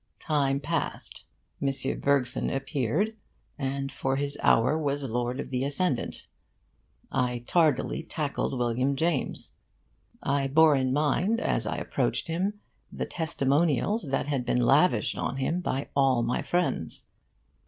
Time passed; M. Bergson appeared 'and for his hour was lord of the ascendant;' I tardily tackled William James. I bore in mind, as I approached him, the testimonials that had been lavished on him by all my friends.